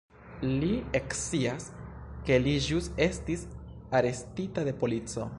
Li ekscias, ke li ĵus estis arestita de polico.